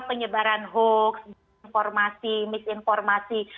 penyebaran hoax informasi misinformasi